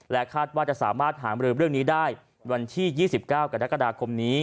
คาดว่าจะสามารถหามรือเรื่องนี้ได้วันที่๒๙กรกฎาคมนี้